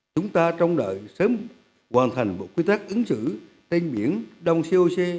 chúng ta trong đợi sớm hoàn thành một quy tắc ứng xử tên biển đông coc